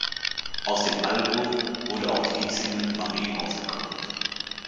Aus dem Album wurde auch die Hitsingle "Marie" ausgekoppelt.